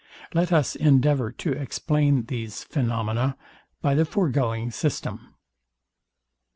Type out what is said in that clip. Let us endeavour to explain these phaenomena by the foregoing system.